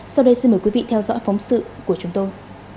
sau đây xin mời quý vị theo dõi phóng sự của chúng tôi